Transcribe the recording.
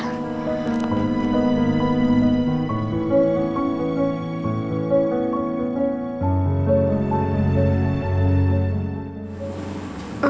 tapi saya erti nurut boul nggak